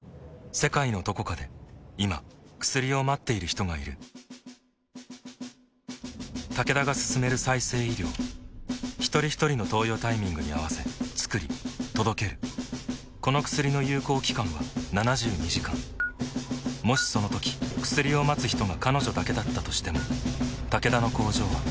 世界のどこかで今薬を待っている人がいるタケダが進める再生医療ひとりひとりの投与タイミングに合わせつくり届けるこの薬の有効期間は７２時間もしそのとき薬を待つ人が彼女だけだったとしてもタケダの工場は彼女のために動くだろう